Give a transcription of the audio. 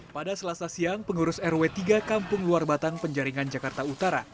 pada selasa siang pengurus rw tiga kampung luar batang penjaringan jakarta utara